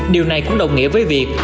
điều này cũng đồng nghĩa với việc